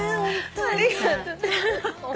ありがとね。